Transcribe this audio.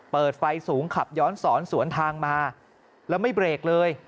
เปิดไฟสูงขับย้อนสอนสวนทางมาแล้วไม่เบรกเลย